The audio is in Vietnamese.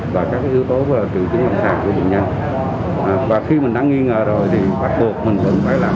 và yếu tố tiên thiết nhất là không để lọc lưới